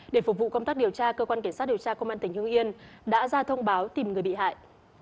để phục vụ công tác điều tra cơ quan kiểm soát điều tra công an tỉnh hương yên đã ra thông báo tìm người bị hại